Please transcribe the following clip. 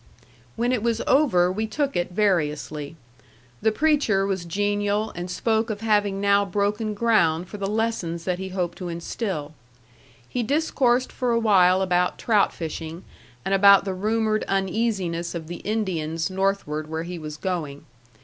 When it was over we took it variously. The preacher was genial and spoke of having now broken ground for the lessons that he hoped to instil. He discoursed for a while about trout fishing and about the rumored uneasiness of the Indians northward where he was going.